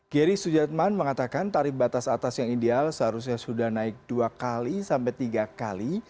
geri sujatman mengatakan tarif batas atas yang ideal seharusnya sudah naik dua kali sampai tiga kali